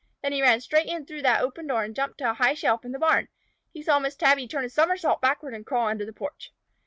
Then he ran straight in through that open door and jumped to a high shelf in the barn. He saw Miss Tabby turn a summersault backward and crawl under the porch.